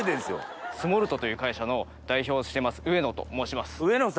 Ｓｍｏｌｔという会社の代表をしています上野と申します。